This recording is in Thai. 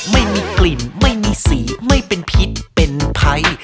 ไม่มีกลิ่นไม่มีสีไม่เป็นพิษเป็นภัย